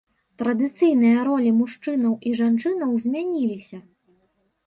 Традыцыйныя ролі мужчынаў і жанчынаў змяніліся.